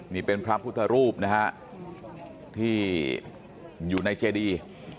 นี่เป็นพระพุทธรูปนะฮะที่อยู่ในเจดี